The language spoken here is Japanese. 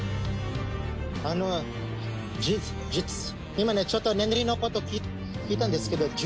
今ねちょっと年齢のこと聞いたんですけど。